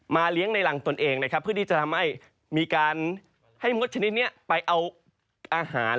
เลี้ยงในรังตนเองนะครับเพื่อที่จะทำให้มีการให้มดชนิดนี้ไปเอาอาหาร